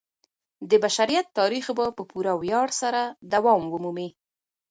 د بشریت تاریخ به په پوره ویاړ سره دوام ومومي.